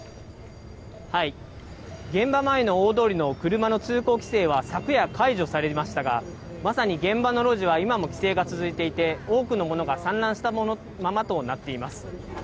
現場前の大通りの車の通行規制は昨夜、解除されましたが、まさに現場の路地は今も規制が続いていて多くの物が散乱したままとなっています。